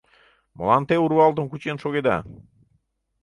— Молан те урвалтым кучен шогеда?